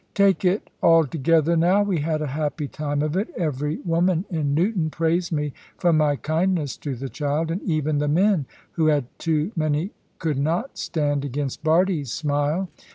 Take it altogether now, we had a happy time of it. Every woman in Newton praised me for my kindness to the child; and even the men who had too many could not stand against Bardie's smile.